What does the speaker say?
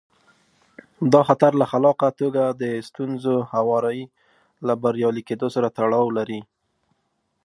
دا خطر له خلاقه توګه د ستونزو هواري له بریالي کېدو سره تړاو لري.